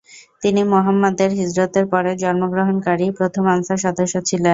তিনি মুহাম্মাদের হিজরতের পরে জন্মগ্রহণকারী প্রথম আনসার সদস্য ছিলেন।